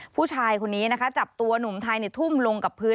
ผู้ชายคนนี้นะคะจับตัวหนุ่มไทยในทุ่มลงกับพื้น